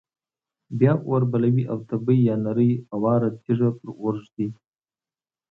بیا اور بلوي او تبۍ یا نرۍ اواره تیږه پر اور ږدي.